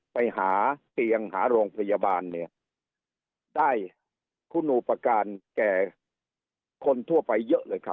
ไปหาเตียงหาโรงพยาบาลเนี่ยได้คุณอุปการณ์แก่คนทั่วไปเยอะเลยครับ